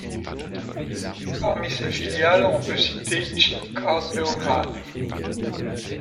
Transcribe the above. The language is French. Parmi ses filiales, on peut citer Chip Card Beograd.